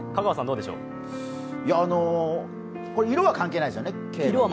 色は関係ないですよね。